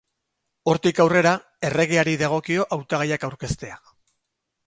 Hortik aurrera, erregeari dagokio hautagaiak aurkeztea.